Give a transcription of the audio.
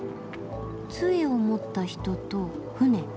つえを持った人と船。